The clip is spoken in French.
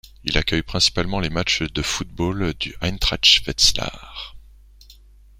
Il accueille principalement les matchs de football du Eintracht Wetzlar.